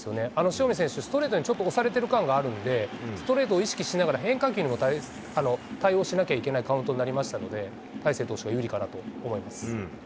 塩見選手、ストレートにちょっと押されてる感があるので、ストレートを意識しながら変化球にも対応しなきゃいけないカウントになりましたので、大勢投手が有利かなと思います。